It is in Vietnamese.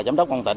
giám đốc con tỉnh